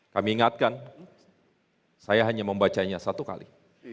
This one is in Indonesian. kami ingatkan saya hanya membacanya satu kali